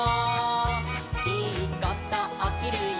「いいことおきるよ